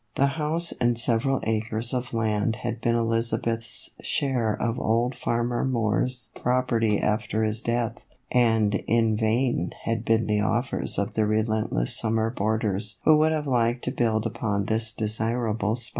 The house and several acres of land had been Elizabeth's share of old Farmer Moore's property after his death, and in vain had been the offers of the relentless summer boarders who would have liked to build upon this desirable spot.